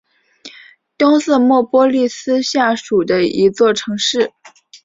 东瑟莫波利斯下属的一座城市。